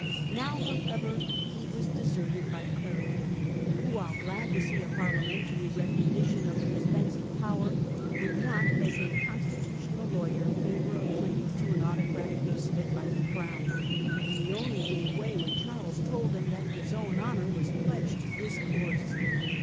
Now however he was deserted by Clarendon, who, while glad to see a Parliamentary recognition of the dispensing power, would not as a constitutional lawyer favour a claim to an autocratic use of it by the Crown ; and he only gave way when Charles told him that his own honour was pledged to this course.